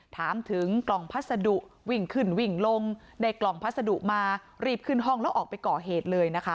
ถามถึงกล่องพัสดุวิ่งขึ้นวิ่งลงได้กล่องพัสดุมารีบขึ้นห้องแล้วออกไปก่อเหตุเลยนะคะ